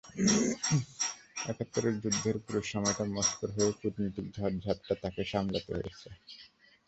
একাত্তরের যুদ্ধের পুরো সময়টা মস্কোর হয়ে কূটনৈতিক ঝড়ঝাপটা তাঁকেই সামলাতে হয়েছে।